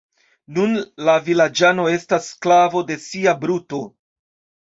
Nun la vilaĝano estas sklavo de sia bruto.